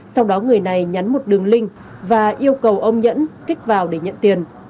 sau đó người này nhắn một đường link và yêu cầu ông nhẫn kích vào để nhận tiền